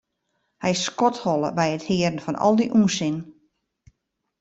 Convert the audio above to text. Hy skodholle by it hearren fan al dy ûnsin.